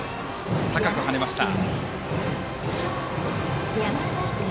高く跳ねました。